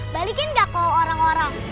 balikin gak ke orang orang